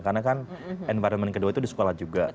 karena kan environment kedua itu di sekolah juga